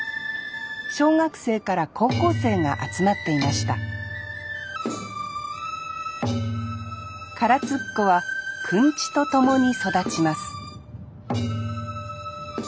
小学生から高校生が集まっていました唐津っ子はくんちと共に育ちます